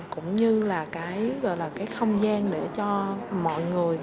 cũng như là cái gọi là cái không gian để cho mọi người